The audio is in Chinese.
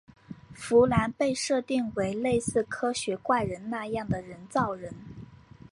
芙兰被设定为类似科学怪人那样的人造人。